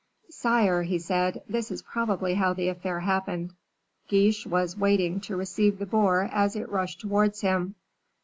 "Sire," he said, "this is probably how the affair happened. Guiche was waiting to receive the boar as it rushed towards him."